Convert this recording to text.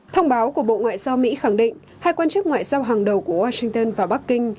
thông báo của bộ ngoại giao mỹ khẳng định hai quan chức ngoại giao hàng đầu của washington và bắc kinh